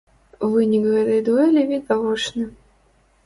Вынік гэтай дуэлі відавочны.